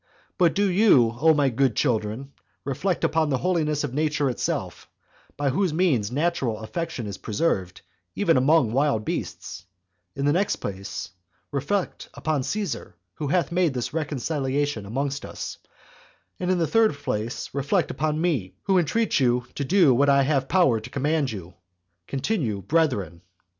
But do you, O my good children, reflect upon the holiness of nature itself, by whose means natural affection is preserved, even among wild beasts; in the next place, reflect upon Caesar, who hath made this reconciliation among us; and in the third place, reflect upon me, who entreat you to do what I have power to command you, continue brethren.